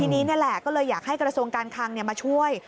ทีนี้นี่แหละก็เลยอยากให้กระทรวงการคังมาช่วย